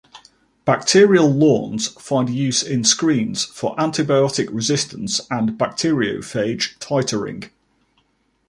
Bacterial lawns find use in screens for antibiotic resistance and bacteriophage titering.